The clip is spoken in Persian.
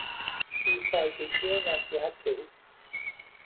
بیفایدگی نصیحت به او